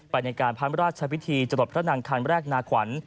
ไปในการพร้ำราชใช้วิธีจลบพระนางคารแรกนาขวัญ